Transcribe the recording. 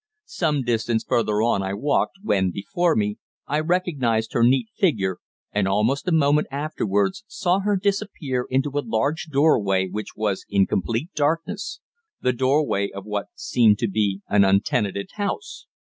Some distance further on I walked, when, before me, I recognized her neat figure, and almost a moment afterwards saw her disappear into a large doorway which was in complete darkness the doorway of what seemed to be an untenanted house.